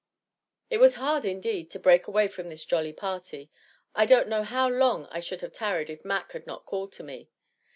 It was hard, indeed, to break away from this jolly party; I don't know how long I should have tarried if Mac had not called to me.